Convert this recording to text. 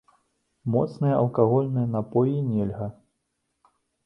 Моцныя алкагольныя напоі нельга.